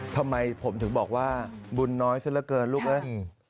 ทำไมผมถึงบอกว่าบุญน้อยซะละเกินลูกเอ้ย